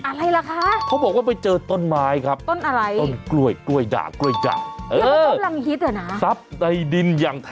อะไรล่ะคะเขาบอกว่าไปเจอต้นไม้ครับต้นอะไรต้นกล้วยกล้วยด่างกล้วยด่าง